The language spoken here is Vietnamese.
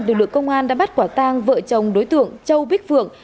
lực lượng công an đã bắt quả tang vợ chồng đối tượng châu bích phượng